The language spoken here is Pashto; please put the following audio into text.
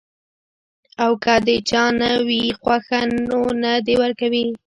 او کۀ د چا نۀ وي خوښه نو نۀ دې ورکوي -